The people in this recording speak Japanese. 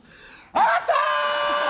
あったー！